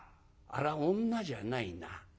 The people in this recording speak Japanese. あれは女じゃないな。